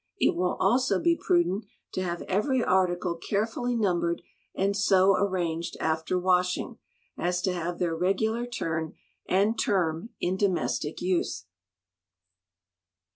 It will also be prudent to have every article carefully numbered, and so arranged, after washing, as to have their regular turn and term in domestic use.